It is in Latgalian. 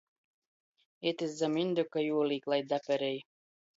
Itys zam indyka juolīk, lai daperej.